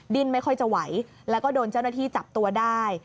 ดิ้นไม่ค่อยจะไหวแล้วก็โดนเจ้าหน้าที่จับตัวได้